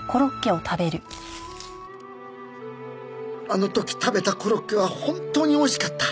「あの時食べたコロッケは本当に美味しかった」